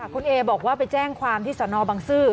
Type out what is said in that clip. คุณเอบอกว่าไปแจ้งความที่สนบังซื้อ